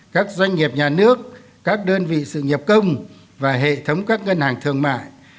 các doanh nghiệp nhà nước các đơn vị sự nghiệp công và hệ thống các ngân hàng thương mại